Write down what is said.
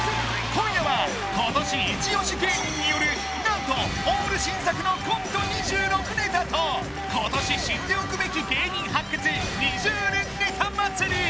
今夜は今年イチオシ芸人による何とオール新作のコント２６ネタと今年知っておくべき芸人発掘２０連ネタ祭り